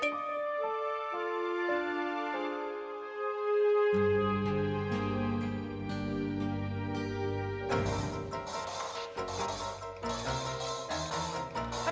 tidak ada apa apa